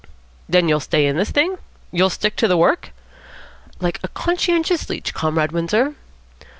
"Then you'll stay in this thing? You'll stick to the work?" "Like a conscientious leech, Comrade Windsor."